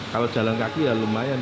kalau jalan kaki ya lumayan